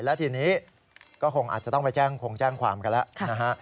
และทีนี้ก็คงอาจจะต้องไปแจ้งคงแจ้งความกันแล้วนะฮะ